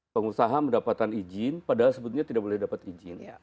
pengusaha mendapatkan izin padahal sebetulnya tidak boleh dapat izin